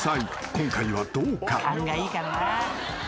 ［今回はどうか？］